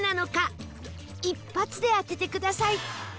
一発で当ててください